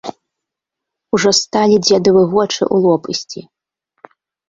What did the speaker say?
Ужо сталі дзедавы вочы ў лоб ісці.